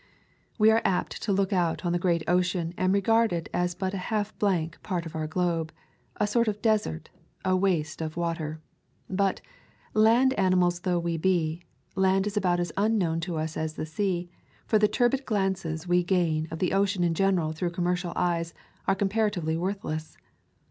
Weare apt to look out on the great ocean and tegard it as but a half blank part of our globe —a sort of desert, "a waste of water." But, land animals though we be, land is about as unknown to us as the sea, for the turbid glances we gain of the ocean in general through commercial eyes are comparatively worthless.